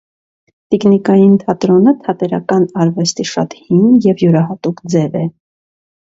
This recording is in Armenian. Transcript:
Տիկնիկային թատրոնը, թատերական արվեստի շատ հին և յուրահատուկ ձև է։